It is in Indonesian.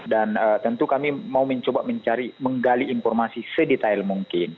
dan tentu kami mau mencoba mencari menggali informasi sedetail mungkin